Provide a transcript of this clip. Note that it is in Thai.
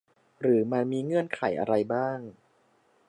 หรือมันมีเงื่อนไขอะไรบ้าง